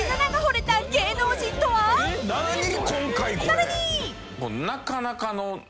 ［さらに］